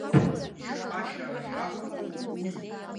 Ишԥа, шәара шәакәну уи?